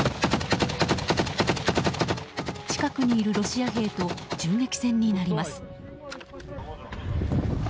近くにいるロシア兵と銃撃戦になります。